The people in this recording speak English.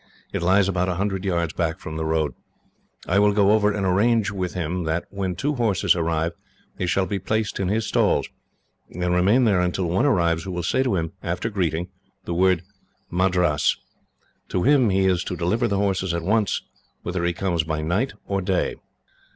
It lies about a hundred yards back from the road. I will go over and arrange with him that, when two horses arrive, they shall be placed in his stalls, and remain there until one arrives who will say to him, after greeting, the word 'Madras'. To him he is to deliver the horses at once, whether he comes by night or day."